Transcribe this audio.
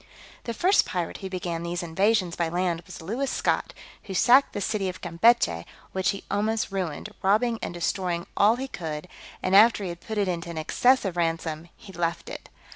The first pirate who began these invasions by land was Lewis Scot, who sacked the city of Campechy, which he almost ruined, robbing and destroying all he could; and after he had put it to an excessive ransom, he left it.